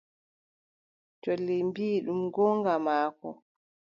Colli mbii: ɗum goonga maako.